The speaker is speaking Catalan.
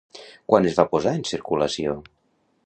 Quan es va posar en circulació?